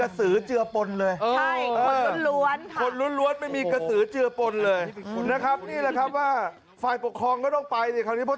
เราก็ไม่รู้ว่าเป็นใครแล้ว